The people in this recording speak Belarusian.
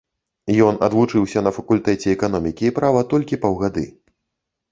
Ён адвучыўся на факультэце эканомікі і права толькі паўгады.